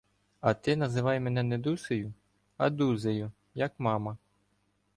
А ти називай мене не Дусею, а Дузею, як мама.